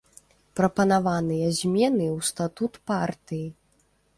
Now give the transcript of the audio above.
Прапанаваныя змены ў статут партыі.